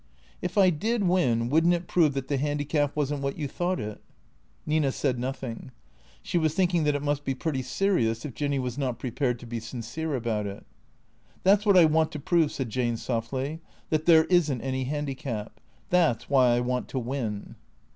" If I did win, would n't it prove that the handicap was n't what you thought it?" iSTina said nothing. She was thinking that it must be pretty serious if Jinny was not prepared to be sincere about it. " That 's what I want to prove," said Jane softly, " that there is n't any handicap. That 's why I want to win."